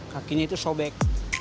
kakinya itu sobek